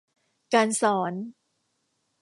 การสอน